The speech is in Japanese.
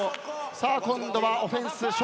さあ今度はオフェンス笑